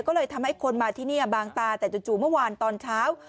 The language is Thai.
ก็เลยทำให้คนมาที่นี่บางตาแต่จู่เมื่อวานตอนเช้า